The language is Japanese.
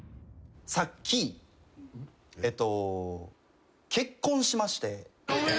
さっきえっと結婚しまして。